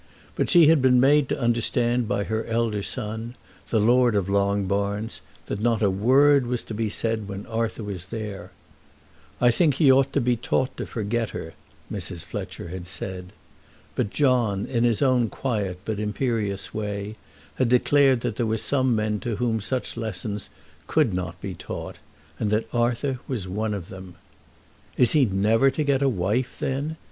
But she had been made to understand by her elder son, the lord of Longbarns, that not a word was to be said when Arthur was there. "I think he ought to be taught to forget her," Mrs. Fletcher had said. But John in his own quiet but imperious way, had declared that there were some men to whom such lessons could not be taught, and that Arthur was one of them. "Is he never to get a wife, then?"